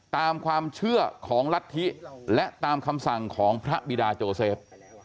ตามความเชื่อของรัฐธิและตามคำสั่งของพระบิดาโจเซฟ